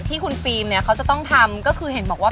ที่คุณฟิล์มเนี่ยเขาจะต้องทำก็คือเห็นบอกว่า